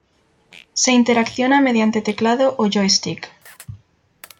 Se interacciona mediante teclado o joystick.